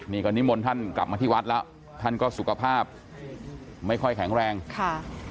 นี่ก็นิมนต์ท่านกลับมาที่วัดแล้วท่านก็สุขภาพไม่ค่อยแข็งแรงค่ะ